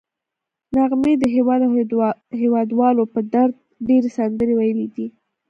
نغمې د هېواد او هېوادوالو په درد ډېرې سندرې ویلي دي